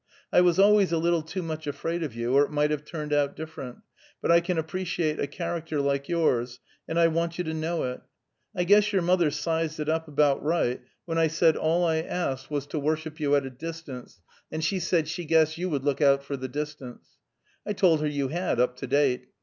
I was always a little too much afraid of you, or it might have turned out different; but I can appreciate a character like yours, and I want you to know it. I guess your mother sized it up about right when I said all I asked was to worship you at a distance, and she said she guessed you would look out for the distance. I told her you had, up to date.